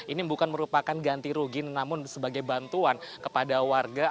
ini bukan merupakan ganti rugi namun sebagai bantuan kepada warga